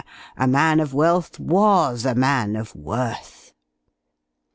_ a man of wealth was a man of worth!